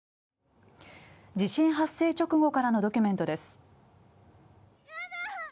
地震発生直後からのドキュメントです。